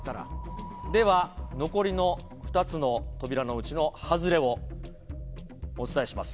では、残りの２つのうちの外れをお伝えします。